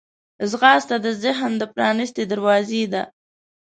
ځغاسته د ذهن پرانستې دروازې ده